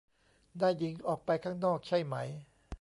นายหญิงออกไปข้างนอกใช่ไหม